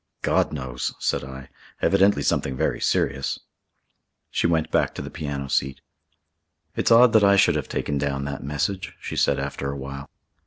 "God knows," said I. "Evidently something very serious." She went back to the piano seat. "It's odd that I should have taken down that message," she said, after a while.